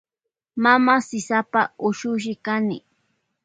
Mama sisapa ushushi kani.